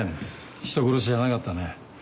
人殺しじゃなかったね。